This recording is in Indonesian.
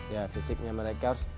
ya fisiknya mereka harus